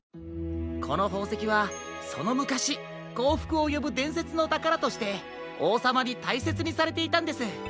このほうせきはそのむかしこうふくをよぶでんせつのたからとしておうさまにたいせつにされていたんです。